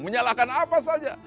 menyalahkan apa saja